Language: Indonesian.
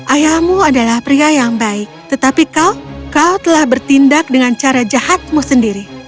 ayahmu adalah pria yang baik tetapi kau kau telah bertindak dengan cara jahatmu sendiri